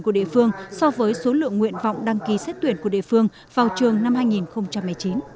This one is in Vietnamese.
của địa phương so với số lượng nguyện vọng đăng ký xét tuyển của địa phương vào trường năm hai nghìn một mươi chín